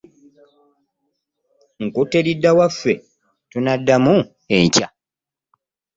Nkutte lidda waffe tunaddamu enkya.